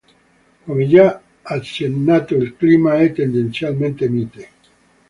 Come già accennato il clima è tendenzialmente mite.